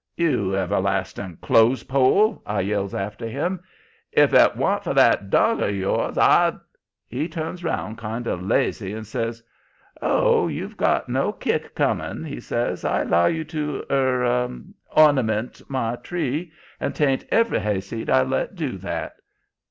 "'You everlasting clothes pole,' I yells after him, 'if it wa'n't for that dog of yours I'd ' "He turns around kind of lazy and says he: 'Oh, you've got no kick coming,' he says. 'I allow you to er ornament my tree, and 'tain't every hayseed I'd let do that.'